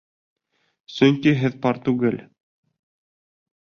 Сөнки һеҙ пар түгел.